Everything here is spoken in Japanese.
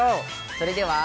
それでは。